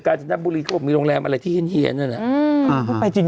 การชนับบุรีของผมมีโรงแรมอะไรที่เหยียน